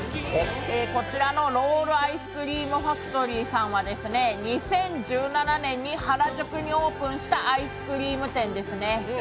こちらのＲＯＬＬＩＣＥＣＲＥＡＭＦＡＣＴＯＲＹさんは２０１７年に原宿でオープンしたアイスクリーム店ですね。